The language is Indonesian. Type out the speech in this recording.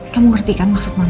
kamu ngerti kan maksud mama